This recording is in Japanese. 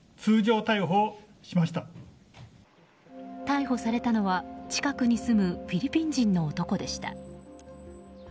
逮捕されたのは近くに住むフィリピン人の男でした。